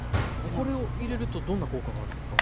これを入れるとどんな効果があるんですか？